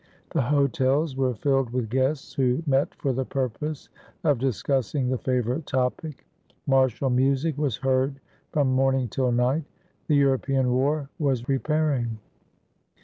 The hotels were filled with guests who met for the purpose of discussing the favorite topic; mar tial music was heard from morning till night: the Euro pean war was preparing.